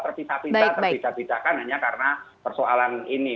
terpisah pisahkan hanya karena persoalan ini